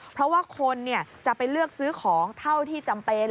เพราะว่าคนจะไปเลือกซื้อของเท่าที่จำเป็น